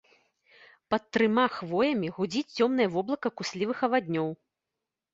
Пад трыма хвоямі гудзіць цёмнае воблака куслівых аваднёў.